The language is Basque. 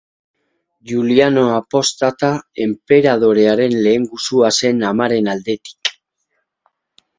Juliano Apostata enperadorearen lehengusua zen amaren aldetik.